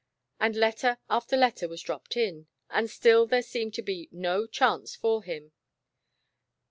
And letter after letter was dropped in, and still there seemed to be no chance for him.